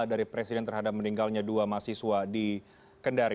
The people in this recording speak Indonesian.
dari presiden terhadap meninggalnya dua mahasiswa di kendari